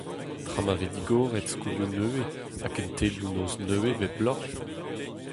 Tra ma vez digoret skolioù nevez ha kentelioù-noz nevez bep bloaz !